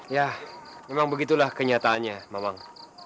ya memang begitulah kenyataannya memang